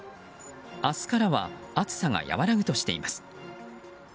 明日からは暑さが和らぐとしています。